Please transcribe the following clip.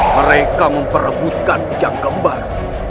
mereka memperebutkan hujan kembar